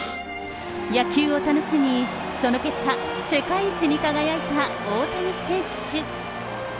野球を楽しみ、その結果、世界一に輝いた大谷選手。